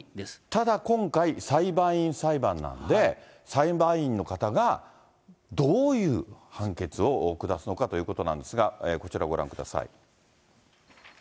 ただ今回、裁判員裁判なんで、裁判員の方が、どういう判決を下すのかということなんですが、こちらご覧ください。